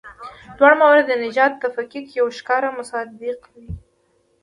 دواړه موارد د نژادي تفکیک یو ښکاره مصداق دي.